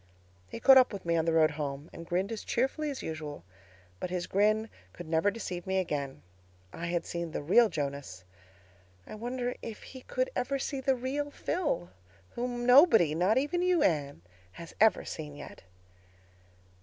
"He caught up with me on the road home, and grinned as cheerfully as usual. But his grin could never deceive me again. I had seen the real Jonas. I wondered if he could ever see the real Phil—whom nobody, not even you, Anne, has ever seen yet.